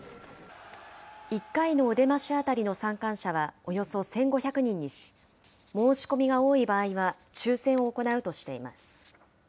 １回のお出まし当たりの参観者はおよそ１５００人にし、申し込みが多い場合は抽せんを行うとしています。